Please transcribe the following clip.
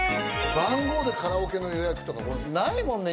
番号でカラオケの予約とか今ないもんね。